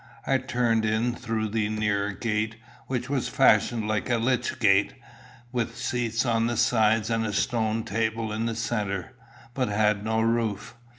I turned in through the nearer gate, which was fashioned like a lych gate, with seats on the sides and a stone table in the centre, but had no roof.